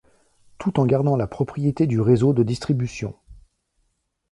Tout en gardant la propriété du réseau de distribution.